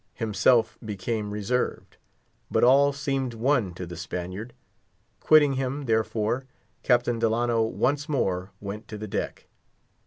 Himself became reserved. But all seemed one to the Spaniard. Quitting him, therefore, Captain Delano once more went to the deck.